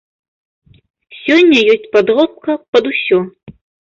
Сёння ёсць падробка пад усё.